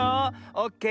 オッケー。